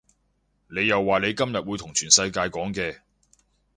你又話你今日會同全世界講嘅